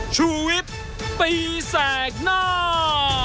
ชุวิตตีแสกหน้า